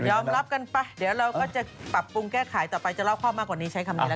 รับกันไปเดี๋ยวเราก็จะปรับปรุงแก้ไขต่อไปจะรอบครอบมากกว่านี้ใช้คำนี้แล้ว